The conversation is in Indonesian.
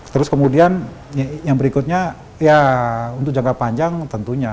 terus kemudian yang berikutnya ya untuk jangka panjang tentunya